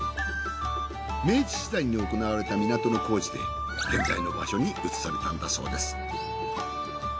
明治時代に行われた港の工事で現在の場所に移されたんだそうです。